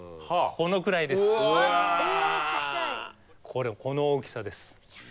これこの大きさです。